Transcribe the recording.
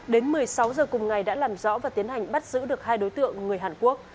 đến một mươi sáu h cùng ngày đã làm rõ và tiến hành bắt giữ được hai đối tượng người hàn quốc